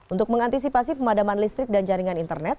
untuk mengantisipasi pemadaman listrik dan jaringan internet